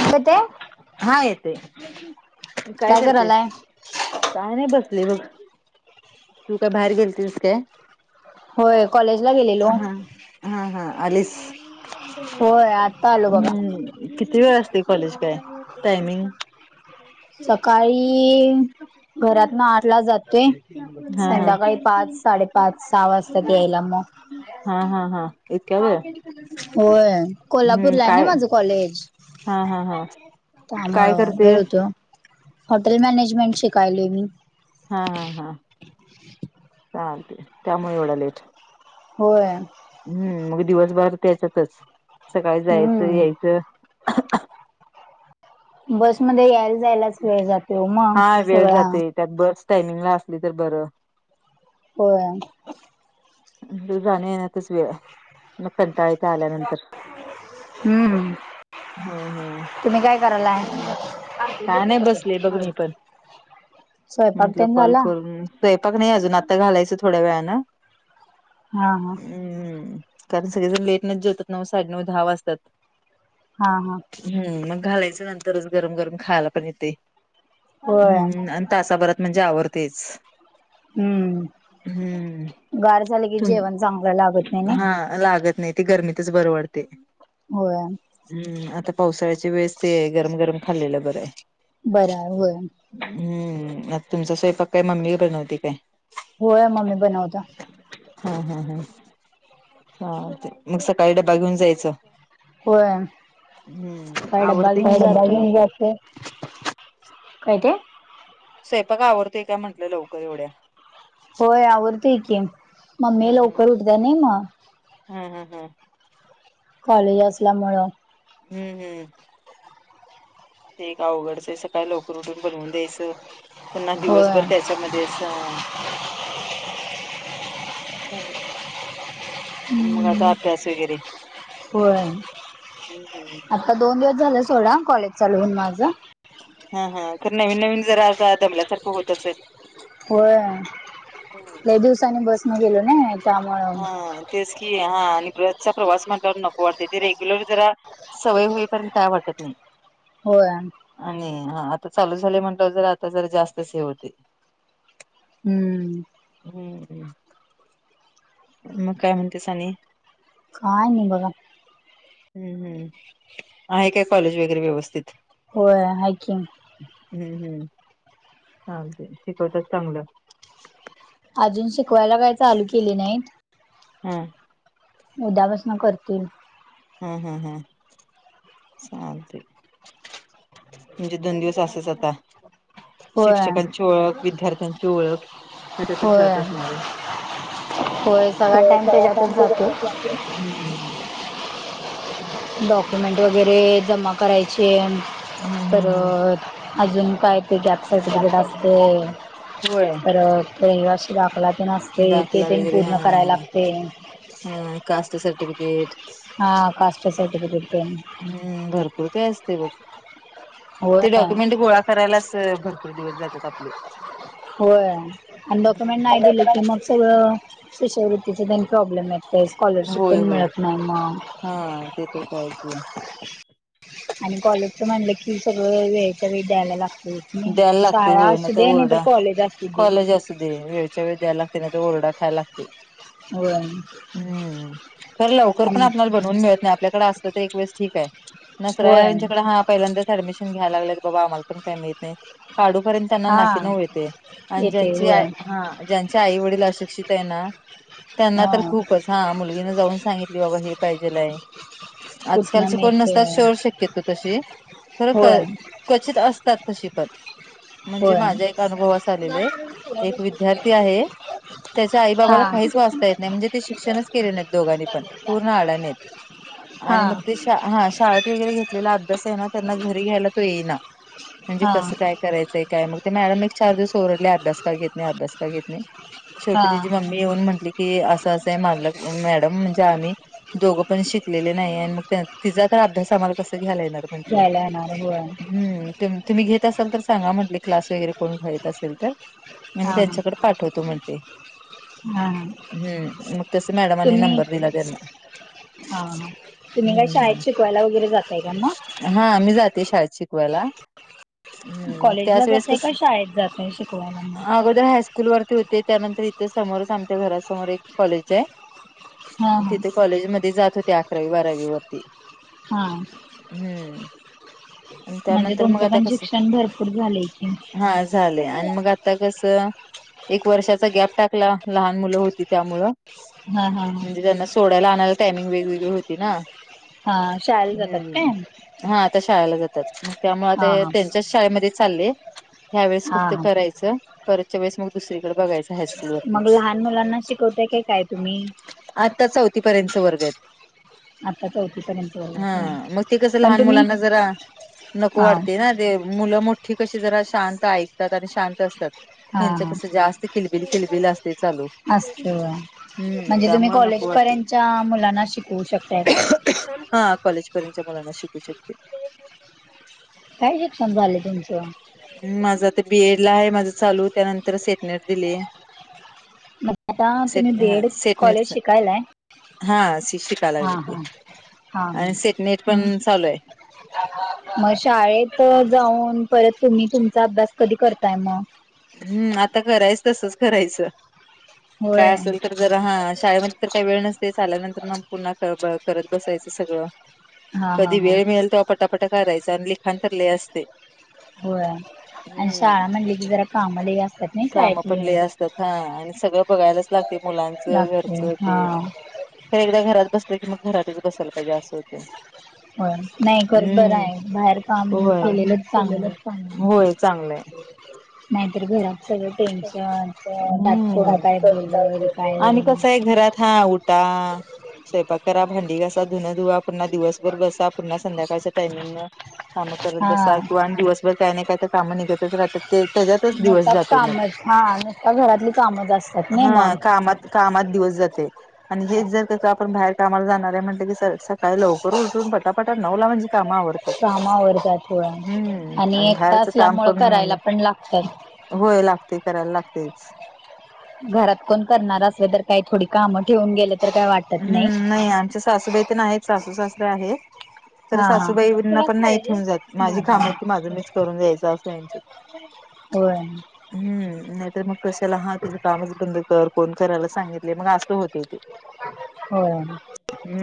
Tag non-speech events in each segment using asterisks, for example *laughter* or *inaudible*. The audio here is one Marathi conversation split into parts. काय ते? हा येते काय करतेस काय नाही बसले बघ. तू काय बाहेर गेलतीस काय? होय कॉलेज ला गेलेलो. हा हा हा आलीस. होय आता आलो बगा. हम्म किती वेळ असते कॉलेज काय टायमिंग. सकाळी घरातन आठला जातोय. हा हा संध्याकाळी पाच साडेपाच सहा वाजतात यायला मग. हा हा हा. इतक्या वेळ होय, हम्म कोल्हापूरला हाय ना काय माझं कॉलेज. हा हा हा त्यामुळ काय वेळ करतेस होतोय वो. हॉटेल मॅनेजमेंट शिकायलोय मी. हां, हां, हां. *unintelligible* चालतय त्यामुळ एवढा लेट. होय. हम्म, मग दिवसभरात त्याच्यातच, सकाळी जायचं, हम्म यायचं. बसमध्ये यायला, जायलाच वेळ जातोय वो मग हा वेळ सगळा. जाते त्यात बस टायमिंगला असली तर बरं. होय. म्हणजे जाण्या-येन्यातच वेळ, मग कंटाळा येतय आल्यानंतर. हम्म. हम्म हम्म तुम्ही काय करालाय? काय नाही बसले बघ मी पण स्वयंपाक म्हंटलं त्यनं कॉल झाला? करून स्वयंपाक नाही अजून, आता घालायचं थोड्या वेळानं. हा, हा. हम्म. कारण सगळेजण लेटनच जेवतात नव्ह साडेनऊ, दहा वाजत्यात. हा, हा. हम्म, मग घालायचं नंतरच गरम -गरम खायला पण येतय, होय हम्म आण तासाभरात म्हणजे आवरतयच. हम्म हम्म गार झाल. तुम, हा लागत नाही ते गर्मीतच बर वाटतय. होय. हम्म, आता पावसाळ्याच्या वेळेस ते गरम -गरम खाल्लेलं बरं हाय. बर हाय होय. हम्म, मग तुमचा स्वयंपाक काय मम्मी बनवते काय? होय मम्मी बनवत्या. हा, हा, ह, हा ते मग सकाळी डबा घेऊन जायचं? होय हम्म सकाळी आवरते कि, घेऊन काय डब्बा जाते घेऊन जायचं. काय ते? स्वयंपाक आवरतोय काय म्हटलं लवकर एवढ्या? होय, आवरतोय की, मम्मी हम्म हम्म लवकर उठतीया नाही मग. हम्म, हम्म, हम. कॉलेज असल्यामुळं. हम्म, हम्म. ते एक अवघडचं हाय सकाळी लवकर उठून बनवून द्यायचं, पुन्हा होय दिवसभर त्याच्यामध्येच. हा. चालल, मग आता अभ्यास वगैरे. होय, हम्म हम्म. आता दोन दिवस झाल सोडा, कॉलेज चालु होऊन माझ. हा, हा खर नवीन- नवीन जरा अस दमल्या सारखं होत असेल? होय, हम्म लई दिवसानी बसने गेलो नई. हा तेच की, हा आणि बसचा प्रवास म्हटल्यावर नको वाटतय. ते रेग्युलर जरा सवय होईपर्यंत काय वाटत नाही. होय आणि हा आता चालू झाले म्हंटल जर आता जरा जास्त च हे होते. हम्म हम्म मग काय म्हणते स आणि काय नाही बघा. हम्म हम्. आहे काय कॉलेज वगैरे व्यवस्थित? होय, हाय की. हम्म हम्म. चालते शिकवतात चांगल. अजून शिकवायला काय चालू केले नाहीत. हां उद्यापासून करतील. हम्म हम्म हम् चालतेय. म्हणजे दोन दिवस असेच आता. होय शिक्षकांची ओळख विद्यार्थ्यांची ओळख त्याच्यातच होय जात असणार आहे. होय सगळा टाइम त्याच्यातच जातो *unintelligible* डॉक्युमेंट वगैरे जमा करायचे आणि तर हम्म हम्म. अजून काय ते गॅप सर्टिफिकेट असते होय तर त रहिवाशी दाखला पण असते. ते दाखला पण वगैरे हा पूर्ण करायला लागते. हा. कास्ट सर्टिफिकेट हा कास्ट सर्टिफिकेट पण हम्म भरपूर काय असते बघ. ते होय डॉक्युमेंट गोळा करायलाच भरपूर दिवस जातात आपले. होय आणि डॉक्युमेंट नाही दिले की मग सगळ. शिष्यवृत्तीचे त्यांनी प्रॉब्लेम येत स्कॉलरशिप प होय होय. मिळत नाही मग. हा ते तर कायच आहे. आणि कॉलेजच म्हणल की सगळ वेळच्या वेळ द्यायला लागत. मग द्यायला लागते शाळा होय अस ना असू दे नाही तर ओरडा कॉलेज असू दे. कॉलेज असू वेळच्या वेळ द्यायला लागते नाही तर ओरडा खायला लागते. होय हम्म. खर लवकर पण आणि आपल्याला बघ लोन मिळत नही. आपल्याकडे असत एक ठीक आहे. होय पहिल्यांदाच एडमिशन घ्याय लाग बाबा आमला पण, का माहित नाही काढू पर्य त्यांना नाकी हा नव येते आणि येते ज्यांची होय हा ज्यांचे आई वडील अशिक्षित आहे ना, त्यांना तर हा खूपच, हा मुलगीने जाऊन सांगितली, बाबा हे पाहिजेलाय.. कुठनं आजकालचे कोण मिळते नसताात शोर शक्यतो तशे खर होय तर क्वचित असतात तशे पण, म्हणजे होय माझ्या एक अनुभवास आलेले एक विद्यार्थी आहे. त्याच्या आई हा बाबाला काहीच वाचता येत नाही म्हणजे ते शिक्षणच केले नाहीत दोघांनीपण, पूर्ण आडाणीत हा आणि मग ते श हा शाळेत वगैरे घेतलेला अभ्यास आहे ना त्यांना घरी घ्यायला तो येईना. म्हणजे हा कस काय करायचय काय मग, ते मॅडम एक चार दिवस ओरडले अभ्यास का घेत नाही अभ्यास का घेत नाही. हा शेवटी तिची मम्मी येऊन म्हटली की अस अस माझ मॅडम म्हणजे आम्ही दोघपण शिकलेले नाही आणि मग तिचा तर अभ्यास आम्हाला कस घ्यायला येणार. म्ह घ्यायला येणार होय तुम् घे असाल तर सांगा म्हटले क्लास वगैरे कोण घे यत असेल तर, आ मी हा हा हा त्यांच्याकडे पाठवतो म्हणते. हा. हम्म, मग तस मॅडमनी तुम्ही नंबर दिला त्यांना. हा हा तुम्ही काय हम्म शाळेत शिकवायला वगैरे जातय का मग? हा मी जाते शाळेत शिकवायला. हम्म, मग त्याच कॉलेजला वेळेस जाताय कस का शाळेत जाताय शिकवायला मग अगोदर हायस्कूल स्कूल वरती होते त्यानंतर इथं समोरच आमच्या घरासमोर एक कॉलेज आहे. हा तिथे हा कॉलेज मध्ये जात होते अकरावी, बारावी वरती. हा हम्म, आणि त्यांना म्हणजे तुमचं आता पण कस? शिक्षण भरपूर झालंय की हा झालय आता कस एक वर्षाचा गॅप टाकला लहान मुलं होती त्यामुळं. हा हा. म्हणजे त्यांना सोडायला आणायला टायमिंग वेगवेगळी होती ना. हां हां शाळेला जातात काय हम्म, हा आता शाळाला जातात. त्यामुळे हां ते हां त्यांच्याच शाळेमध्ये चालले ह्यावेेळेस हां फक्त हां करायच. परतच्या वेळेस मग दुसरीकडे बघायचं हायस्कूल मग वरतीच. लहान मुलांना शिकवताय काय काय तुम्ही आत्ता चौथी पर्यंत वर्ग हेत. आता चौथीपर्यंत हा वगैरे मग ते कस पण लहान तुम्ही मुलांना जरा नको हां वाटते ना ते मुलं मोठी कशी जरा शांत ऐकतात आणि शांत असतात. हां ह्यांचं हां कस जास्ती खिलबिल, खिलबिल असते चालू. असत हम्म म्हणजे तुम्ही त्यामुळे कॉलेज नको वाटते पर्यंतच्या मुलांना शिकवू शकताय का? हा कॉलेज पर्यंतच्या मुलांना शिकू शकते. काय शिक्षण झालंय तुमच? माझ ते बी, ए, ड ला आहे माझं चालू त्यानंतर सेटनेट दिलीये. मग आता तुम्ही बी, ए, हा ड कॉलेज सेटनेटच शिकायलाय? हा शी शिकाय लागली हां की हां हां आणि सेटनेट पण चालू आहे. म शाळेत जाऊन परत तुम्ही तुमचा अभ्यास कधी करताय मग? हम्म, आता करायच तसच करायच होय काय असेल तर जर हा शाळेमध्ये तर काही वेळ नसते आल्यानंतर मग पुन्हा करत बसायचं सगळं. हा हा कधी हा वेळ मिळेल तवा पटापटा करायच आणि लिखान तर लय असते. होय अण हम्म शाळा म्हणली की जरा काम लई अ काम पण लय असतात हा आणि सगळं बघायलाच लागते मुलांचं लागते घरच हा ते तर एकदा घरात बसले की मग घरातच बसायला पाहिजे असं होते. हो नाही खर बरं हम्म आहे बाहेर काम होय. काम केलेलंच चांगलं. केलेलंच होय चांगलंय. नाहीतर घरात सगळ हम्म, बोलल काय आणि नाही कस आहे घरात हा उठ टा स्वयंपाक करा, भांडी घासा, धुन धुवा पुन्हा दिवसभर बसा पुन्हा संध्याकाळच्या टाइमिंग न काम करत बसा हा किंवा दिवसभर काही न काही काय काम निघतच राहतात ते त्याच्यातच दिवस नुसता जातोय मग. कामच हा नाही तर घरातली कामंच असतात ना हा मग कामात कामात दिवस जाते. आणि हेच जर का आपण बाहेर कामाला जाणार आहे म्हटलं की सकाळी लवकर उलटून पटापटा नऊला म्हणजे काम आवरतात काम आवरतात होय हम्म आणि एकटा बाहेरच काम असल्यामुळे करून मिळा करायला पण लागतात होय लागते करायला लागतेच. घरात कोण करणार असल तर काही थोडी काम ठेवून गेले तर काय वाट हम्म, नाही आमच्या सासूबाई तर नाहीत, सासू, सासरे आहेत. तरं हा हा सासूबाईंना पण नाही ठेवून जात माझी काम दादा आयत ती माझं मीच करून जायचं अस आय. *inaudible* होय. हम्म नाय तर मग कशाला हा तुझं कामच बंद कर कोण करायला सांगितले मग असं होतय ते. होय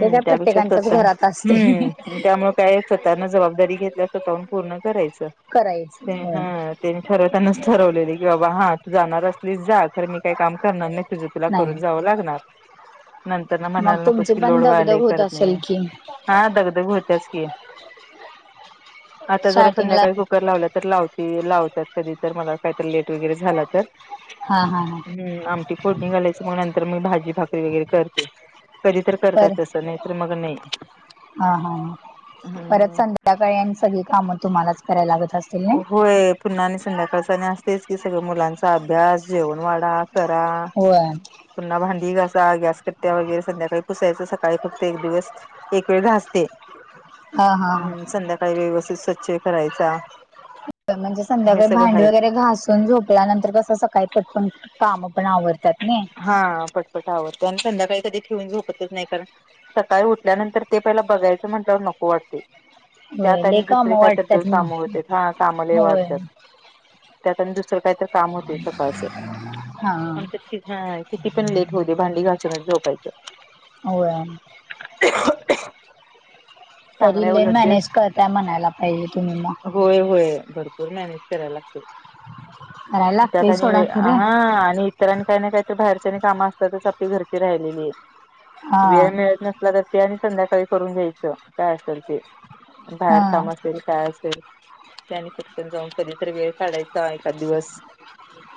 ते का त्यापेक्षा प्रत्येकांच्याच स्वतः घरात आसतय. हम्म त्यामुळे काय स्वतः न जबाबदारी घेतल्या स्वतःहून पूर्ण करायचं करायचं ते होय हा. ठरवताणाच ठरवलेले की बाबा हा तू जाणार असलीस जा खरं मी काय काम करणार नाय. तुझं तुला करून नाही जावं लागणार नंतर ना मग म्हणायला नकोस तुमची कि पण लोड व्हायलाय दगदग होत करत असेल नाय. की हा दगदग होत्याच की आता जरा स्टार्टिंगला संध्याकाळ ब कुकर लावल्या तर लावते लावतात कधी तर मला काय तर लेट वगैरे झाला तर. हा हा हा. हम् आमटी फोडणी घालायच मग नंतर मी भाजी भाकरी वगैरे करते. कधी तर पर करतात तसं नाय तर मग नाय. त्या काळी आणि सगळी कामं तुम्हालाच करायला लागत असतील ना होय पुन्हा आणि संध्याकाळच आणि असतंयच की सगळ मुलांचा अभ्यास जेवण वाढा करा. होय. पुन्हा भांडी घासा गॅस कट्ट्या वगैरे संध्याकाळी पुसायचं सकाळी फ क्त एक दिवस एक वेळ घास ते हा हा हा संध्या काळी व्यवस्थित स्वच्छ करायचा. म्हणजे हे संध्याकाळी सगळं भांडी आहे वगैरे घासून झोप त्यानंतर कसं सकाळी पटपण काम पण आवरत्यात नाई. हा पटपट आवारते आणि संध्याकाळी कधी ठेऊून झोपतच नाय कारण सकाळी उठल्यानंतर ते पहिल बघायचं म्हटल्यावर नको वाटते. होय त्यात लय आणि काम दुसरे काही तर जोड वाटतात काम मग होतेत काम लय होय वाढत्यात. त्यात आणि दुसरं कायतरी काम होतंय सकाळच. हा आमच्या हा किती पण लेट होऊदे भांडी घासूनच झोपायच. व्हय. तरी चांगलंय लय उलट ते मॅनेज करताय म्हणायला पाहिजे तुम्ही म. होय होय भरपूर मॅनेज कराय लागतंय. करायला त्यात लागते आणि सोडा खरं हा आणि इतरां आणि काय ना काय तर बाहेरच्या काम असतातच आपली घरची राहिलेली हा वेळ मिळत नसला तर ते आणि संध्याकाळी करून घ्यायचं काय असेल ते हा बाहेर हा काम असेल काय असेल ते आणि पटकन जाऊन कधीतरी वेळ काढायचा एखाद दिवस.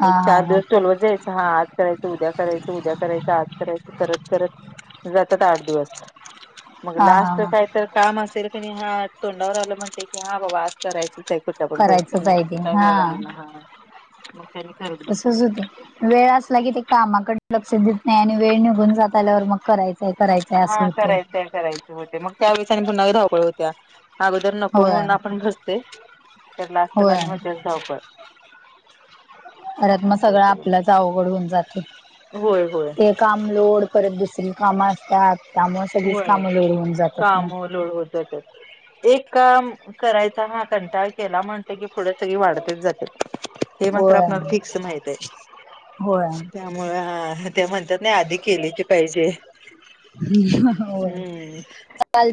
हा हा चार हा दिवस टोलवत जा हा आज करायचं उद्या करायचं उद्या करायचं आज करायचं करत करत जातात आठ दिवस. मग हा लास्ट हा काय तर काम असेल क नाय हा तोंडावर आल म्हणते की हा बाबा आज करायचंच आय. कुठल्या पण करायचंच परिस्थिती मग आहे ते किती का हा वेळ लागेना हा. मग त्यांनी करत तसच बसायचं हुतंय वेळ असला की ते कामाकड लक्ष देत नाय आणि वेळ निघून जात आल्यावर मग करायच. हा करायचाय करायचाय होते मग त्यावेळेस पुन्हा आणि धावपळ होतिया. अगोदर नको होय म्हणून आपण घसतोय तर लास्ट ला होय म तेच धावपळ. परत म असं आहे सगळं आपलंच अवघड हुन जाते. होय होय ते काम लोड परत दुसरी कामं असतात त्यामुळं सगळीच होय कामं लोड होऊन जात्यात काम मग. लोड वर जातात. एक काम करायचा हा कंटाळ केला म्हणते की पुढे सगळी वाढतच जात्यात. हे मात्र होय आपणाला फिक्स माहित ये. होय त्यामुळ अ ते म्हणतात नाय आधी केलेची पाहिजे. *unintelligible* हम्म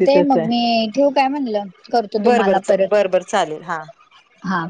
ते तस आहे. मम्मी ठेवू काय म्हणलं करते बर तुम्हाला बर बर बर चालेल हा. परत हा